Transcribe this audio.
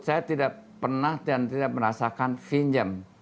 saya tidak pernah dan tidak merasakan pinjam